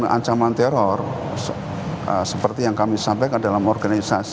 jadi dalam kegiatan bvoh copyright atau memperkenalkan hak maupun kompak yang diketahui denganjyeon dayobasa